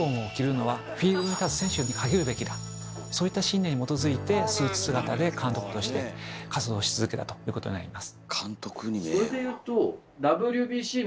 そういった信念に基づいてスーツ姿で監督として活動し続けたということが言えます。